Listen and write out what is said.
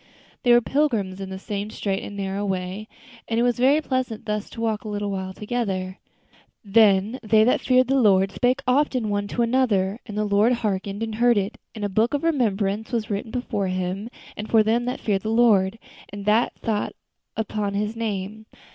They were pilgrims in the same straight and narrow way, and it was very pleasant thus to walk a little while together. "Then they that feared the Lord spake often one to another; and the Lord hearkened and heard it; and a book of remembrance was written before Him for them that feared the Lord, and that thought upon His name.